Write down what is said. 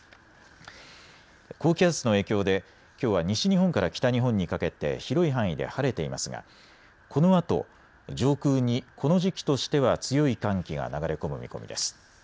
高気圧の影響できょうは西日本から北日本にかけて広い範囲で晴れていますがこのあと上空にこの時期としては強い寒気が流れ込む見込みです。